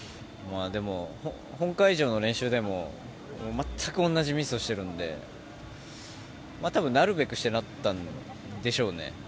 本会場の練習でも全く同じミスをしてるので多分、なるべくしてなったんでしょうね。